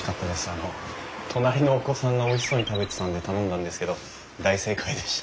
あの隣のお子さんがおいしそうに食べてたので頼んだんですけど大正解でした。